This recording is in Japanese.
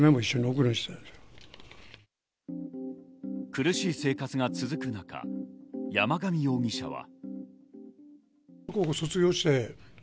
苦しい生活が続く中、山上容疑者は。